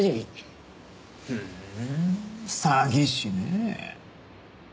ふん詐欺師ねえ。